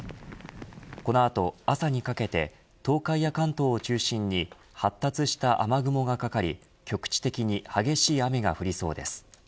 この後、朝にかけて東海や関東を中心に発達した雨雲がかかり局地的に激しい雨が降りそうです。